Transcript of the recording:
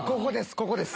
ここです。